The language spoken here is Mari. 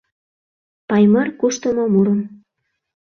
Паймыр, куштымо мурым!